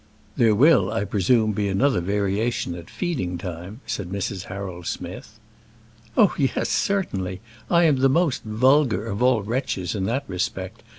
"There will, I presume, be another variation at feeding time," said Mrs. Harold Smith. "Oh, yes; certainly; I am the most vulgar of all wretches in that respect.